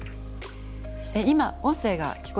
今音声が聞こえましたね。